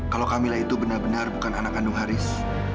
kalau kamila itu benar benar bukan anak kandung haris